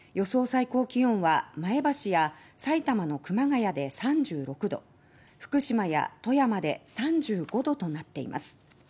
最高気温は前橋や埼玉の熊谷で３６度福島や富山で３５度となっています。